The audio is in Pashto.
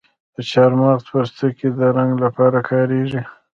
د چارمغز پوستکی د رنګ لپاره کاریږي؟